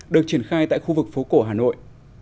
được triển khai tại khu vực phố cổ hà nội